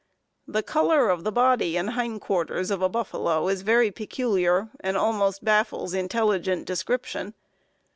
The color of the body and hindquarters of a buffalo is very peculiar, and almost baffles intelligent description.